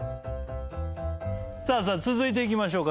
さあさあ続いていきましょうか。